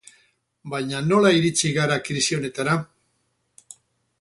Baina nola iritsi gara krisi honetara?